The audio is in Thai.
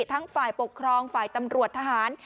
ฝ่ายปกครองฝ่ายตำรวจทหาร